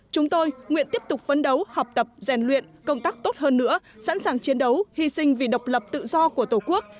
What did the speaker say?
chúng tôi nguyện tiếp tục phấn đấu học tập rèn luyện công tác tốt hơn nữa sẵn sàng chiến đấu hy sinh vì độc lập tự do của tổ quốc